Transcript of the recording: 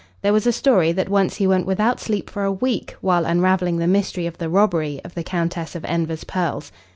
There was a story that once he went without sleep for a week while unravelling the mystery of the robbery of the Countess of Enver's pearls.